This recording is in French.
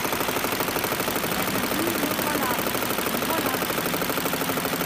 Père Ubu Me voilà ! me voilà !